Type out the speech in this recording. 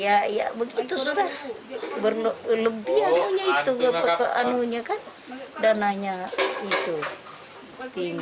ya ya begitu sudah lebih anunya itu anunya kan dananya itu